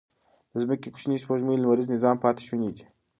د ځمکې کوچنۍ سپوږمۍ د لمریز نظام پاتې شوني دي.